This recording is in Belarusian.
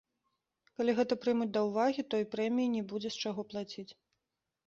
Калі гэта прымуць да ўвагі, дык і прэміі не будзе з чаго плаціць.